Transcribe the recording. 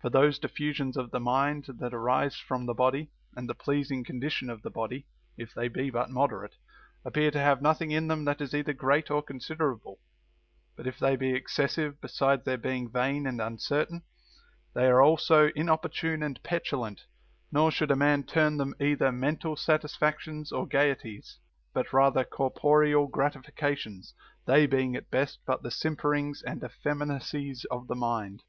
For those diffusions of the mind that arise from the body, and the pleasing condition of the body, if they be but moderate, appear to have nothing in them that is either great or considerable ; but if they be excessive, besides their being vain and uncertain, they are also importune and petulant ; nor should a man term them either mental ACCORDING TO EPICURUS. 171 satisfactions or gayeties, but rather corporeal gratifications, they being at best but the simperings and effeminacies of the mind.